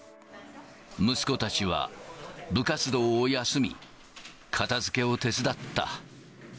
息子たちは、部活動を休み、片づけを手伝った。